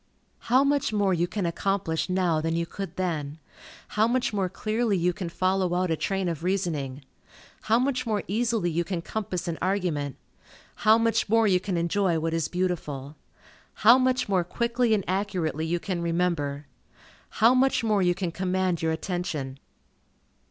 How much more you can accomplish now than you could then! How much more clearly you can follow out a train of reasoning! How much more easily you can compass an argument! How much more you can enjoy what is beautiful! How much more quickly and accurately you can remember! How much more you can command your attention!